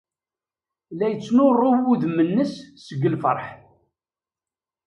La yettnuṛu wudem-nnes seg lfeṛḥ.